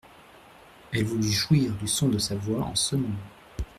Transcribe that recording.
Elle voulut jouir du son de sa voix en ce moment.